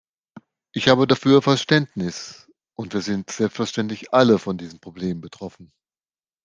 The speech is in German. Ich habe dafür Verständnis, und wir sind selbstverständlich alle von diesem Problem betroffen.